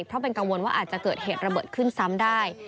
เพราะเป็นกังวลว่าอาจจะเกิดเหตุระเบิดขึ้นซ้ำได้